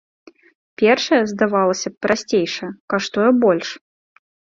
Першая, здавалася б, прасцейшая, каштуе больш.